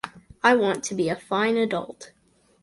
I want to be a fine adult.